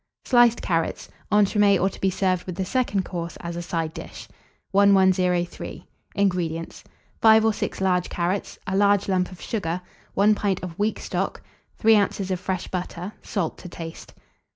SLICED CARROTS. (Entremets, or to be served with the Second Course, as a Side dish.) 1103. INGREDIENTS. 5 or 6 large carrots, a large lump of sugar, 1 pint of weak stock, 3 oz. of fresh butter, salt to taste.